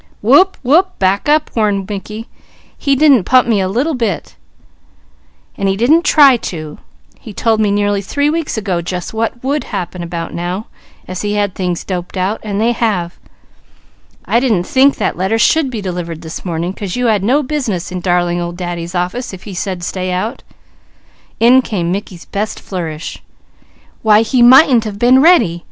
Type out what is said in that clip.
"Wope! Wope! Back up!" warned Mickey. "He didn't pump me a little bit, and he didn't try to. He told me nearly three weeks ago just what would happen about now, as he had things doped out, and they have. I didn't think that letter should be delivered this morning, 'cause you had no business in 'darling old Daddy's' office if he said 'stay out.'" In came Mickey's best flourish. "_Why he mightn't a been ready!